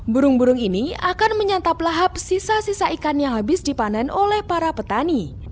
burung burung ini akan menyantap lahap sisa sisa ikan yang habis dipanen oleh para petani